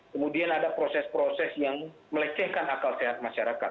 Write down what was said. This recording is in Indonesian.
kemudian ada proses proses yang melecehkan akal sehat masyarakat